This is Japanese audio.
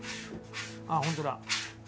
あっ本当だ。